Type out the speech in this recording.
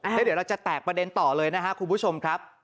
แล้วเดี๋ยวเราจะแตกประเด็นต่อเลยนะครับคุณผู้ชมครับ